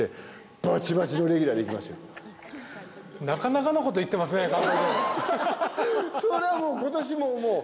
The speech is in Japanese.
なかなかのこと言っていますね。